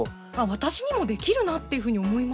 私にもできるなっていうふうに思いました。